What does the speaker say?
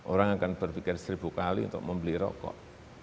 orang akan berpikir seribu kali untuk membeli rokok